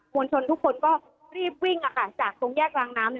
วลชนทุกคนก็รีบวิ่งจากตรงแยกรางน้ำ